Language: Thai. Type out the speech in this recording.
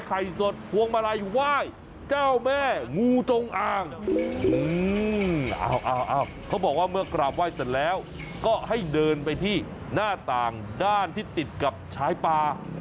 เขาบอกว่าเมื่อกราบไหว้เสร็จแล้วก็ให้เดินไปที่หน้าต่างด้านที่ติดกับชายปลา